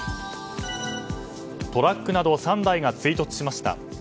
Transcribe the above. トラックなど３台が追突しました。